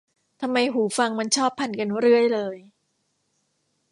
ทำไมหูฟังมันชอบพันกันเรื่อยเลย